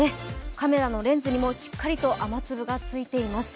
カメラのレンズにもしっかりと雨粒がついています。